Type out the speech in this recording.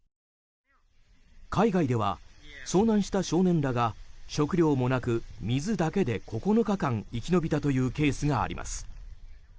海外では遭難した少年らが食料もなく水だけで９日間生き延びたというケースがあります。